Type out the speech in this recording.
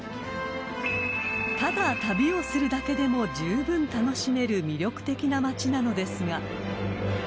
［ただ旅をするだけでもじゅうぶん楽しめる魅力的な街なのですが］